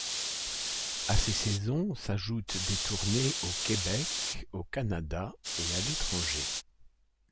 À ces saisons s’ajoutent des tournées au Québec, au Canada et à l'étranger.